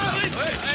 はい！